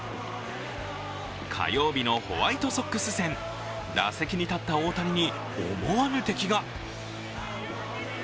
火曜日のホワイトソックス戦、打席に立った大谷に思わぬ敵が。